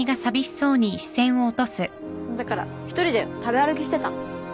だから１人で食べ歩きしてた。